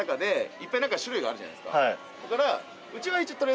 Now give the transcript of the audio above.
だから。